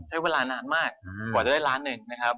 ใช้เวลานานมากกว่าจะได้ล้านหนึ่งนะครับ